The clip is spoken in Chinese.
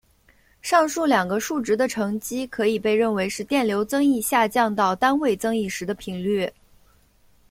上述两个数值的乘积可以被认为是电流增益下降到单位增益时的频率。